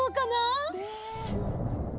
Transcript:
ねえ。